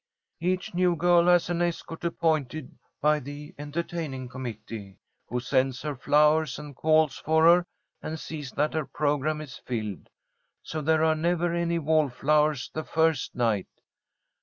"Each new girl has an escort appointed by the entertaining committee, who sends her flowers and calls for her and sees that her programme is filled. So there are never any wallflowers the first night.